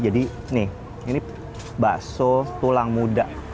jadi nih ini bakso tulang muda